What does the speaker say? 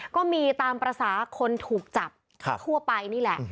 ก็มีตามภาษาคนถูกจับทั่วไปนี่แหละ